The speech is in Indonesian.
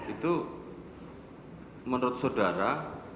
itu menurut sudara